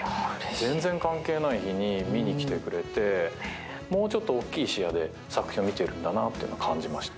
全然関係ない日に見に来てくれて、もうちょっと大きい視野で作品を見てるんだなと感じました。